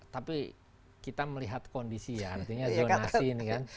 tapi kita melihat kondisi ya artinya zonasi ini kan